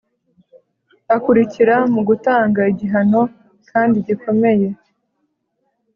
akurikira mu gutanga igihano kandi gikomeye